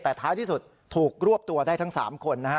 แต่ท้ายที่สุดถูกรวบตัวได้ทั้ง๓คนนะฮะ